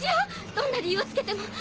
どんな理由をつけても。